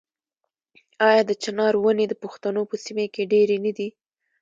آیا د چنار ونې د پښتنو په سیمو کې ډیرې نه دي؟